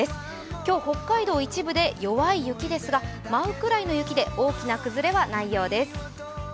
今日、北海道は一部で雪ですが、舞うような雪で大きな崩れはないようです。